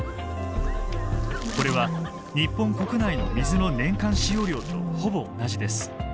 これは日本国内の水の年間使用量とほぼ同じです。